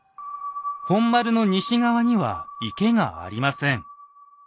本丸の西側には池がありません。